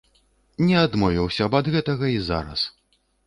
Не адмовіўся б ад гэтага і зараз.